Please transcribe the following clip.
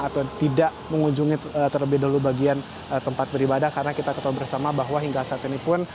atau tidak mengunjungi terlebih dahulu bagian tempat beribadah karena kita ketahui bersama bahwa hingga saat ini pun